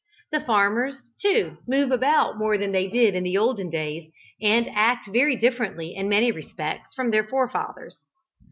The farmers, too, move about more than they did in the olden days, and act very differently in many respects from their forefathers.